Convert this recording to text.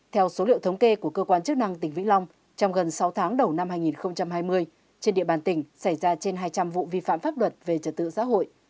theo số liệu thống kê của cơ quan chức năng tỉnh vĩnh long trong gần sáu tháng đầu năm hai nghìn hai mươi trên địa bàn tỉnh xảy ra trên hai trăm linh vụ vi phạm pháp luật về trật tự xã hội